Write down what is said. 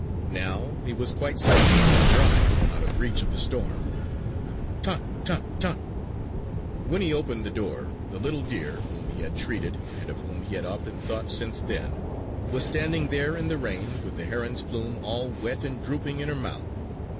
Now he was quite safe and dry out of reach of the storm. "Tan! Tan! Tan!" When he opened the door, the little deer, whom he had treated and of whom he had often thought since then, was standing there in the rain, with the heron's plume, all wet and drooping, in her mouth.